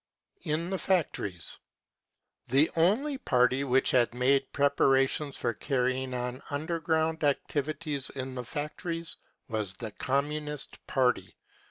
In the Factories. The only party which had made pre parations for carrying on underground activity in the fac tories was the Communist Party.